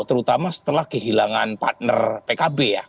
terutama setelah kehilangan partner pkb ya